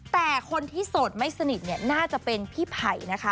แต่คนที่โสดไม่สนิทเนี่ยน่าจะเป็นพี่ไผ่นะคะ